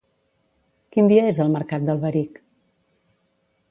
Quin dia és el mercat d'Alberic?